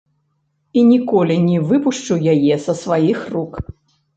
І ніколі не выпушчу яе са сваіх рук.